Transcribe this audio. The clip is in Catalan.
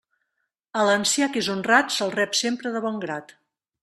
A l'ancià que és honrat se'l rep sempre de bon grat.